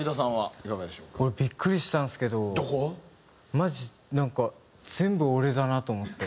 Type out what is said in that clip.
マジなんか全部俺だなと思って。